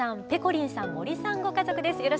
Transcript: ペコリンさん森さんご家族です。